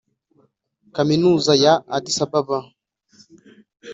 Kaminuza ya Addis Ababa